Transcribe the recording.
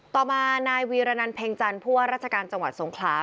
ต่อมานายวีรนันเพ็งจันทร์พรัชกาลจังหวัดทรงคล้า